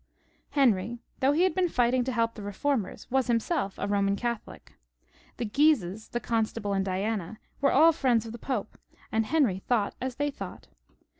Henry, though he had been fighting to help the Eeformers, was himseK a Eoman Catholic, The Guises, the Constable, and Diana, were aU friends of the Pope, and Henry thought as they thought.